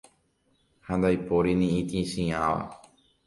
ha ndaipóri ni itĩchiãva